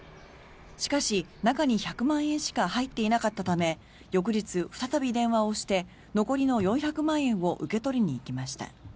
しかし、中に１００万円しか入っていなかったため翌日、再び電話をして残りの４００万円を受け取りに行きました。